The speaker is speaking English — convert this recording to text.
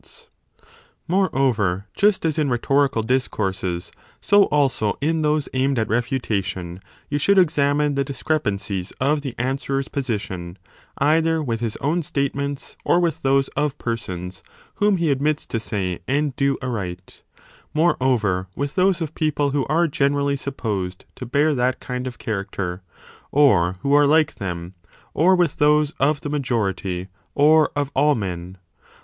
1 I74 b 13. Read rov (= TIVOS) for TOV. i 7 4 b DE SOPHISTICIS ELENCHIS Moreover, just as in rhetorical discourses, so also in those 20 aimed at refutation, you should examine the discrepancies of the answerer s position either with his own statements, or with those of persons whom he admits to say and do aright, moreover with those of people who are generally supposed to bear that kind of character, or who are like them, or with those of the majority or of all men.